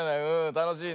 たのしいね。